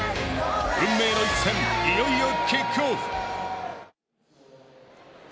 運命の一戦いよいよキックオフ。